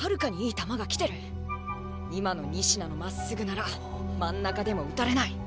今の仁科のまっすぐなら真ん中でも打たれない。